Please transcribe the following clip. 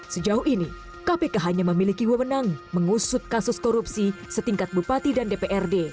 sejauh ini kpk hanya memiliki wewenang mengusut kasus korupsi setingkat bupati dan dprd